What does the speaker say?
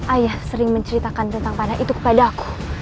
ayah sering menceritakan tentang panah itu kepada aku